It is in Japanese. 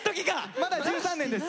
まだ１３年です。